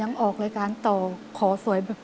อเรนนี่คือเหตุการณ์เริ่มต้นหลอนช่วงแรกแล้วมีอะไรอีก